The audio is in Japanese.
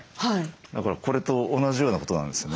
だからこれと同じようなことなんですよね。